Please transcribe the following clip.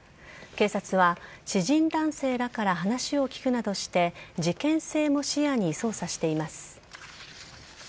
警察は知人男性らから話を聞くなどして事件性も視野に捜査しています。